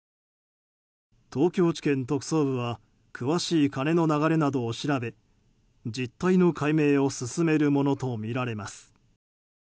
東京地検特捜部は詳しい金の流れなどを調べ実態の解明を進めるものとみられます。